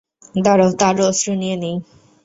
দাঁড়াও তার অস্ত্র নিয়ে নিই।